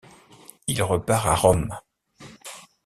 Il repart à Rome.